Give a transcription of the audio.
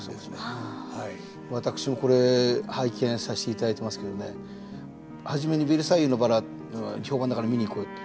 私もこれ拝見させていただいてますけどね初めに「ベルサイユのばら」評判だから見に行こうよって。